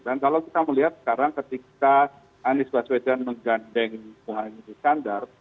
dan kalau kita melihat sekarang ketika anies baswedan menggandeng punggung anies kandar